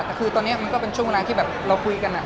แต่คือตอนนี้มันก็เป็นช่วงเวลาที่แบบเราคุยกัน